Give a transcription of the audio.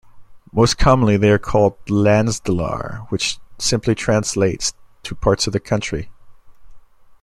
Most commonly they are called "landsdelar", which simply translates to "parts of the country".